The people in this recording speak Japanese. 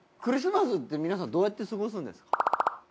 クリスマスって皆さんどうやって過ごすんですか？